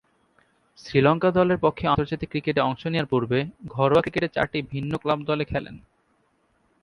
শ্রীলঙ্কা দলের পক্ষে আন্তর্জাতিক ক্রিকেটে অংশ নেয়ার পূর্বে ঘরোয়া ক্রিকেটে চারটি ভিন্ন ক্লাব দলে খেলেন।